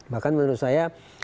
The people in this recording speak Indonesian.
bahkan menurut saya